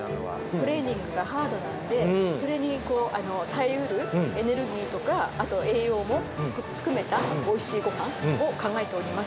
トレーニングがハードなんで、それに耐えうるエネルギーとか、あと栄養も含めたおいしいごはんを考えております。